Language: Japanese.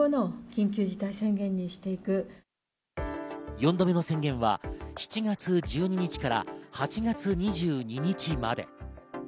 ４度目の宣言は７月１２日から８月２２日まで。